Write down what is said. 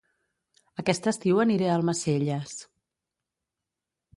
Aquest estiu aniré a Almacelles